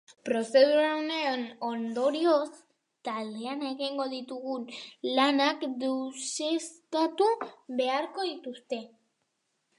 Prozedura honen ondorioz, taldean egin ditugun lanak deuseztatu beharko dituzte.